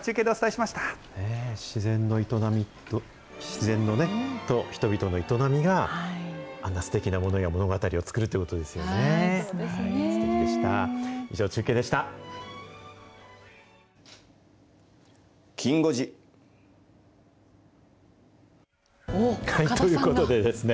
自然の営み、自然と人々の営みが、あんなすてきなものや物語を作るということですよね。